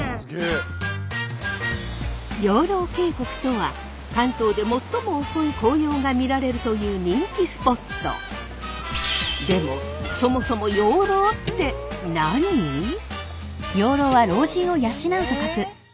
養老渓谷とは関東で最も遅い紅葉が見られるという人気スポット。でもそもそもそうですよね。